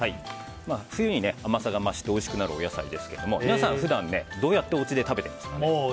冬に甘さが増しておいしくなるお野菜ですけど皆さん、普段どうやっておうちで食べていますか？